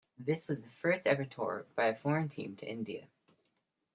This was the first ever tour by a foreign team to India.